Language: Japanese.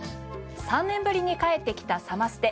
３年ぶりに帰ってきたサマステ。